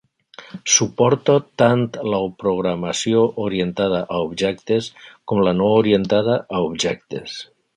Suporta tant la programació orientada a objectes com la no orientada a objectes.